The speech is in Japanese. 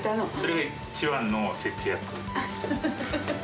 それが一番の節約。